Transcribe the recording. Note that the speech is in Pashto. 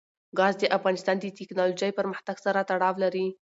ګاز د افغانستان د تکنالوژۍ پرمختګ سره تړاو لري.